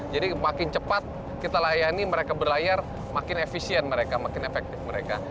jadi makin cepat kita layani mereka berlayar makin efisien mereka makin efektif mereka